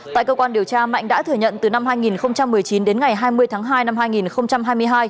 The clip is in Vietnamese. tại cơ quan điều tra mạnh đã thừa nhận từ năm hai nghìn một mươi chín đến ngày hai mươi tháng hai năm hai nghìn hai mươi hai